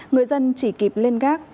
người dân chỉ kịp lên gác